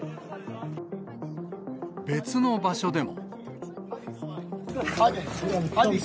別の場所でも。